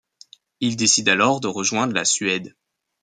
Il décide alors de rejoindre la Suède.